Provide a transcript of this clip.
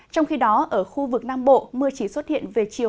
trong khi đó ở khu vực nam bộ mưa chỉ xuất hiện về chiều